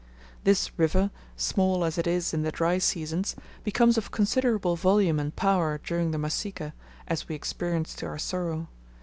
This river, small as it is in the dry seasons, becomes of considerable volume and power during the Masika, as we experienced to our sorrow.